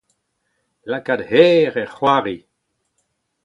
lakaat herr er c'hoari